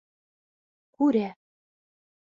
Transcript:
Күрә!